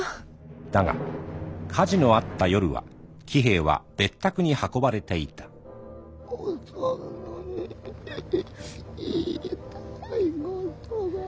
だが火事のあった夜は喜兵衛は別宅に運ばれていたおそのに言いたい事が。